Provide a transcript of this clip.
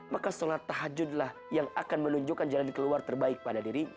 maka sholat tahajudlah yang akan menunjukkan jalan keluar terbaik pada dirinya